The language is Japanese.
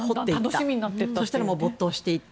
そうしたら没頭していって。